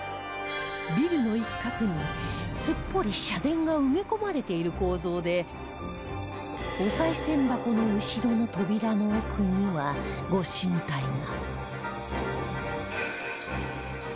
ビルの一角にすっぽり社殿が埋め込まれている構造でお賽銭箱の後ろの扉の奥には御神体が